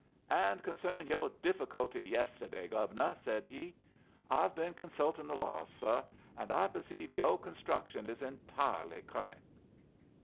"And concernin' yoh difficulty yesterday, Gove'nuh," said he, "I've been consulting the laws, suh, and I perceive yoh construction is entahley correct."